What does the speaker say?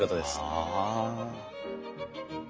ああ。